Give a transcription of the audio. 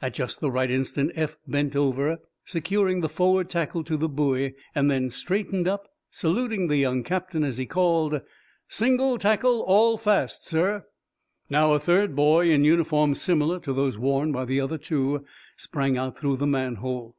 At just the right instant Eph bent over, securing the forward tackle to the buoy, then straightened up, saluting the young captain, as he called: "Single tackle all fast, sir." Now, a third boy, in uniform similar to those worn by the other two, sprang out through the manhole.